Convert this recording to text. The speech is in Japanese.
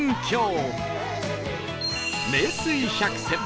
名水百選